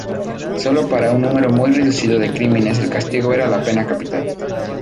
Solo para un número muy reducido de crímenes el castigo era la pena capital.